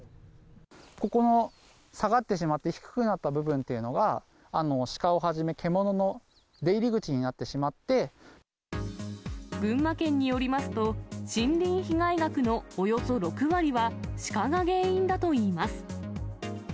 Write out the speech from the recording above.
ここの下がってしまって、低くなった部分というのが、シカをはじめ、群馬県によりますと、森林被害額のおよそ６割はシカが原因だといいます。